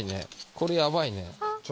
これやばいね。